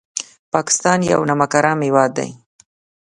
پاکستان یو نمک حرام هېواد دی